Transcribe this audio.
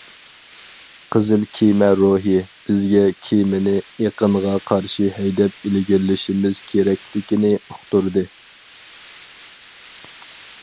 « قىزىل كېمە روھى» بىزگە كېمىنى ئېقىنغا قارشى ھەيدەپ ئىلگىرىلىشىمىز كېرەكلىكىنى ئۇقتۇردى.